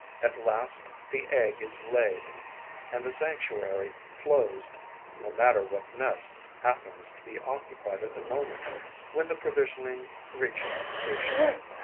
At last the egg is laid and the sanctuary closed, no matter what nest happens to be occupied at the moment when the provisioning reaches completion.